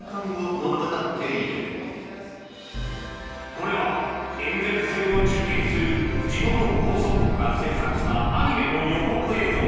これはエンゼルス戦を中継する地元放送局が制作したアニメの予告映像。